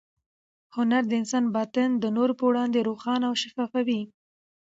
هنر د انسان باطن د نورو په وړاندې روښانه او شفافوي.